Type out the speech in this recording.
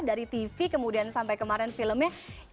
dari tv kemudian sampai kemarin filmnya